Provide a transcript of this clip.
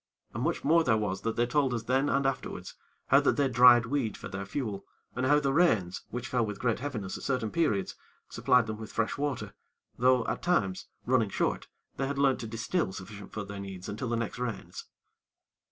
And much more there was that they told us then and afterwards, how that they dried weed for their fuel, and how the rains, which fell with great heaviness at certain periods, supplied them with fresh water; though, at times, running short, they had learnt to distil sufficient for their needs until the next rains.